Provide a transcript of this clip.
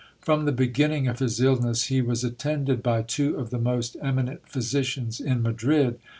From the beginning of his illness he was attended by two of the most eminent physicians in Madrid.